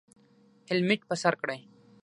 هیلمټ په سر کړئ